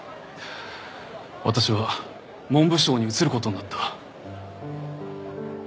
私は文部省に移る事になった。